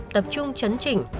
tập trung chấn chỉnh